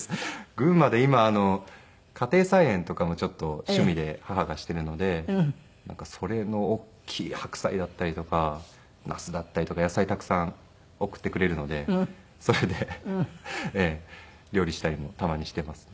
群馬で今家庭菜園とかもちょっと趣味で母がしているのでそれの大きい白菜だったりとかナスだったりとか野菜たくさん送ってくれるのでそれで料理したりもたまにしていますね。